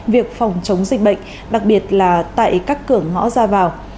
việc phòng chống dịch bệnh đặc biệt là tại các cửa ngõ ra vào